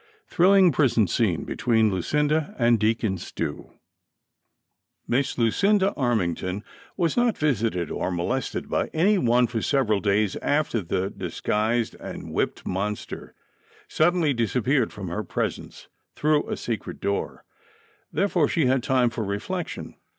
THRILLING PRISON SCENE BETWEEN LUCINDA AND DEACON STEAV. ISS LUCINDA ARMINGTON was not visited or molested by any one for several days after the disguised and whipped monster suddenly disap peared from her presence, through a secret door ; therefore she had time for reflection.